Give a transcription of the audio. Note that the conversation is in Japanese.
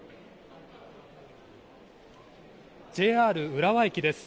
ＪＲ浦和駅です。